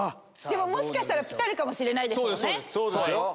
でももしかしたらピタリかもしれないですもんね。